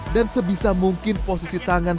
dan sebisa mungkin posisi tangan